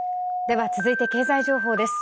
では続いて経済情報です。